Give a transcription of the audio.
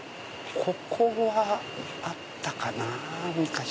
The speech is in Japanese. ここはあったかな昔。